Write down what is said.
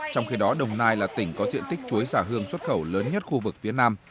trong khi đó đồng nai là tỉnh có diện tích chuối giả hương xuất khẩu lớn nhất khu vực phía nam